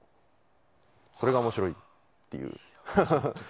それが面白いっていう。